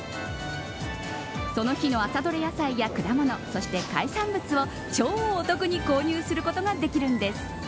その日の朝どれ野菜や果物そして海産物を超お得に購入することができるんです。